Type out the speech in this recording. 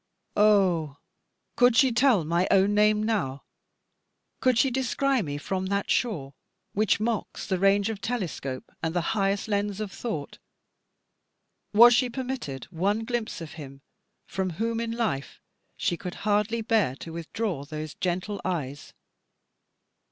Ah, could she tell my own name now, could she descry me from that shore which mocks the range of telescope, and the highest lens of thought; was she permitted one glimpse of him from whom in life she could hardly bear to withdraw those gentle eyes?